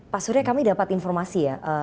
pak surya kami dapat informasi ya